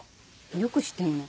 よく知ってんね。